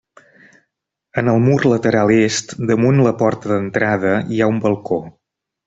En el mur lateral est, damunt la porta d'entrada, hi ha un balcó.